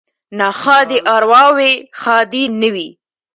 ـ ناښادې ارواوې ښادې نه وي.